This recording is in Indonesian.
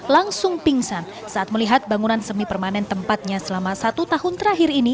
langsung pingsan saat melihat bangunan semi permanen tempatnya selama satu tahun terakhir ini